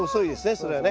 それはね。